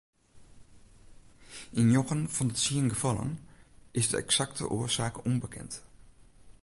Yn njoggen fan de tsien gefallen is de eksakte oarsaak ûnbekend.